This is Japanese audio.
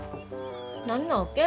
何なわけ？